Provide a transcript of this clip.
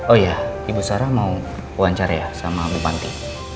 oh iya ibu sarah mau wancar ya sama bupanti